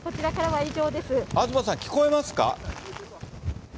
東さん、聞こえますか？